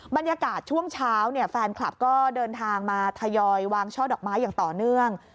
บรรยากาศช่วงเช้าเนี่ยแฟนคลับก็เดินทางมาทยอยวางช่อดอกไม้อย่างต่อเนื่อง